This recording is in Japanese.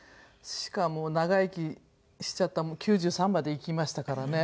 しかも長生きしちゃった９３まで生きましたからね。